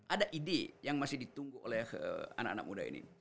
ada ide yang masih ditunggu oleh anak anak muda ini